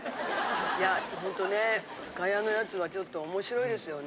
いやほんとね深谷のやつはちょっと面白いですよね。